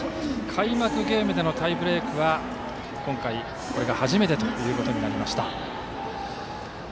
開幕ゲームでのタイブレークは今回これが初めてということになりました。